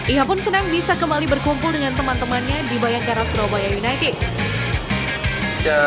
ia pun senang bisa kembali berkumpul dengan teman temannya di bayangkara surabaya united